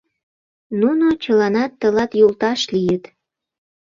Нуно чыланат тылат йолташ лийыт.